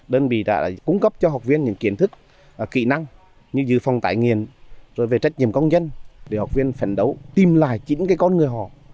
đơn vị đã cung cấp cho học viên những kiến thức kỹ năng như giữ phòng tải nghiền rồi về trách nhiệm công nhân để học viên phản đấu tìm lại chính cái con người họ